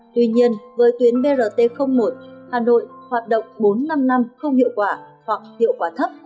tuy nhiên với tuyến brt một hà nội hoạt động bốn năm năm không hiệu quả hoặc hiệu quả thấp